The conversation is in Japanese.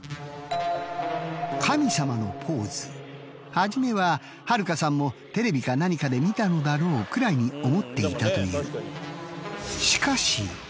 初めは春香さんもテレビか何かで見たのだろうくらいに思っていたという。